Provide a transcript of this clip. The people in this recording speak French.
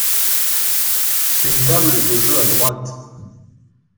Une table de jeu à droite.